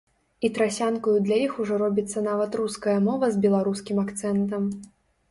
І трасянкаю для іх ужо робіцца нават руская мова з беларускім акцэнтам.